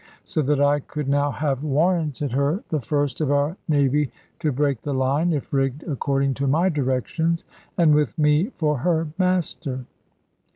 So that I could now have warranted her the first of our Navy to break the line, if rigged according to my directions, and with me for her master.